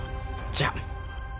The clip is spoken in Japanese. じゃあ。